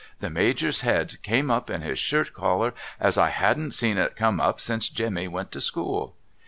The Major's head came up in his shirt collar as I hadn't seen it come up since Jemmy went to school.